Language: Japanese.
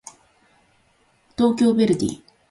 東京ヴェルディ